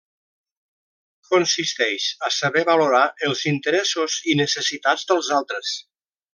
Consisteix a saber valorar els interessos i necessitats dels altres.